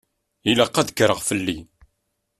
Ilaq ad kkreɣ fell-i.